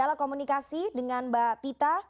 saya sudah komunikasi dengan mbak tita